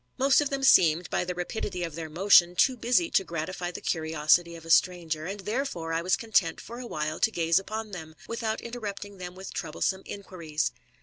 Most of them seemed, by the rapidity of their motion, too busy to gratify the curiosity of a stranger, and therefore I was conteot for a while to gaze upon them, with out interrupting them with troublesome inquiries.